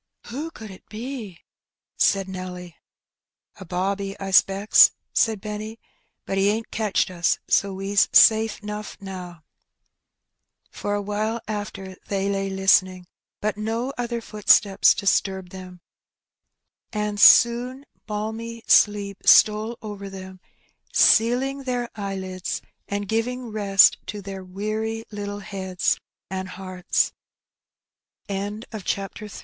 '' Who could it be ?'' said Nelly. " A bobby, I ^specks,^^ said Benny ;" but he ain^t catched us, so we's safe *nough now." For awhile after they lay listening, but no other footsteps disturbed them, and soon balmy sleep stole over them, sealing their eyelids, and giving rest to their wea